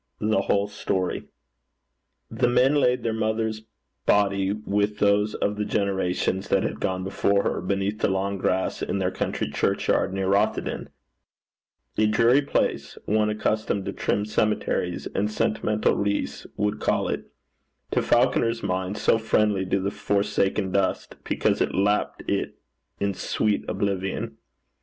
THE WHOLE STORY. The men laid their mother's body with those of the generations that had gone before her, beneath the long grass in their country churchyard near Rothieden a dreary place, one accustomed to trim cemeteries and sentimental wreaths would call it to Falconer's mind so friendly to the forsaken dust, because it lapt it in sweet oblivion.